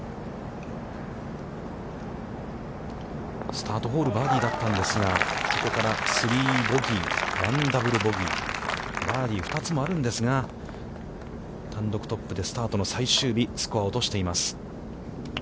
スタートホール、バーディーだったんですが、そこから３ボギー、１ダブル・ボギー、バーディー２つもあるんですが、単独トップでスタートの最終日、スコアを落としています。